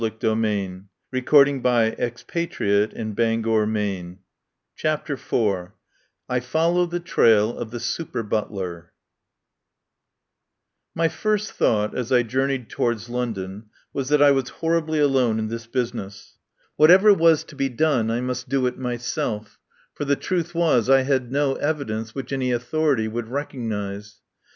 83 CHAPTER IV I FOLLOW THE TRAIL OF THE SUPER BUTLER CHAPTER IV I FOLLOW THE TRAIL OF THE SUPER BUTLER MY first thought, as I journeyed towards London, was that I was horribly alone in this business. Whatever was to be done I must do it myself, for the truth was I had no evidence which any authority would recog nise.